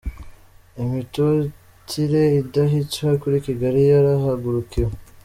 Imitutire idahwitse kuri Kigali yarahagurukiwe